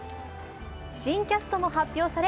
新キャストも発表され